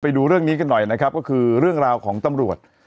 ไปดูเรื่องนี้กันหน่อยนะครับก็คือเรื่องราวของตำรวจ